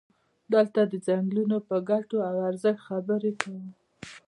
دلته د څنګلونو په ګټو او ارزښت خبرې کوو.